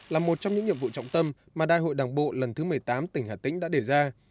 là một trong những nhiệm vụ trọng tâm mà đại hội đảng bộ lần thứ một mươi tám tỉnh hà tĩnh đã đề ra